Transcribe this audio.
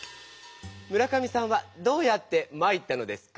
「村上さんはどうやって参ったのですか？」